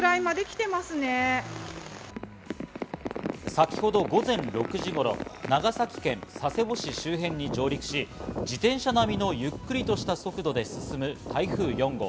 先ほど午前６時頃、長崎県佐世保市周辺に上陸し、自転車並みのゆっくりとした速度で進む台風４号。